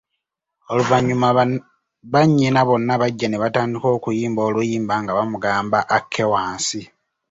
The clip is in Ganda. Oluvanyuma bannyina bonna bajja ne batandika okuyimba oluyimba nga bamugamba akke wansi.